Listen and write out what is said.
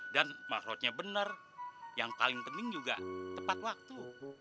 dan maksudnya benar yang paling penting juga tepat waktu